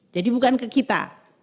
jadi bukan ke kita